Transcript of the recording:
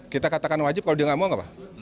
kita katakan wajib kalau dia nggak mau nggak pak